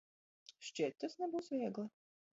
Šķiet, tas nebūs viegli.